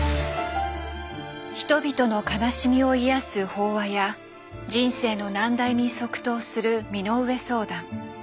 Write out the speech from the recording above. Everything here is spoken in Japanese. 人々の悲しみを癒やす法話や人生の難題に即答する身の上相談。